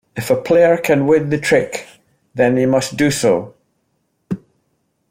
If a player can win the trick then they must do so.